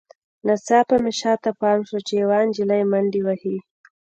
ناڅاپه مې شاته پام شو چې یوه نجلۍ منډې وهي